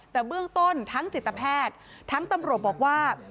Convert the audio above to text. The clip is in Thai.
แต่เบื้องต้นทั้งจิตแพทย์ทั้งตำรวจบอกว่า